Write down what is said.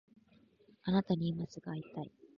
あなたに今すぐ会いたい